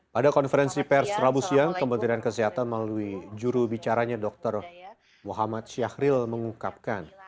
pada konferensi pers rabu siang kementerian kesehatan melalui juru bicaranya dr muhammad syahril mengungkapkan